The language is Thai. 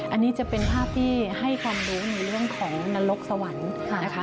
อันนี้จะเป็นภาพที่ให้ความรู้ในเรื่องของนรกสวรรค์นะคะ